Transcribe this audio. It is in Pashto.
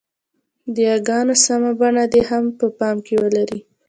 د ی ګانو سمه بڼه دې هم په پام کې ولري.